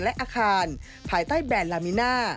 และอาคารภายใต้แบรนด์ลามิน่า